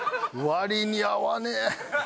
割に合わねえ。